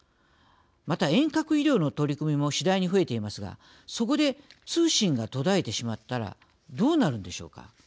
また、遠隔医療の取り組みも次第に増えていますがそこで通信が途絶えてしまったらどうなるんでしょうか。